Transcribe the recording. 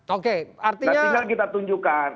oke artinya nah tinggal kita tunjukkan